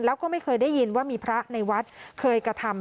แล้วก็ไม่เคยได้ยินว่ามีพระในวัดเคยกระทำ